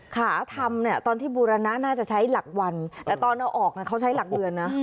ขาทำเนี่ยตอนที่บูรณะน่าจะใช้หลักวันแต่ตอนเอาออกเขาใช้หลักเดือนนะ